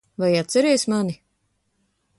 Vai atceries mani?